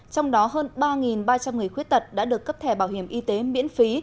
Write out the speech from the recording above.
trong đó hơn ba ba trăm linh người khuyết tật đã được cấp thẻ bảo hiểm y tế miễn phí